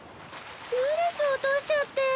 ブレス落としちゃって。